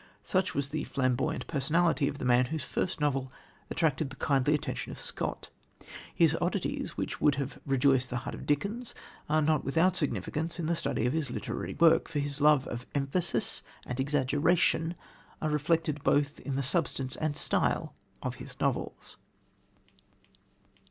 Such was the flamboyant personality of the man whose first novel attracted the kindly attention of Scott. His oddities, which would have rejoiced the heart of Dickens, are not without significance in a study of his literary work, for his love of emphasis and exaggeration are reflected in both the substance and style of his novels.